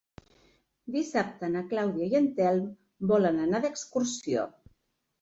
Dissabte na Clàudia i en Telm volen anar d'excursió.